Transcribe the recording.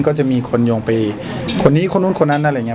ก็จะมีคนยงไปคนนี้คนนั่นนั่นนั่นอะไรอย่างเงี้ย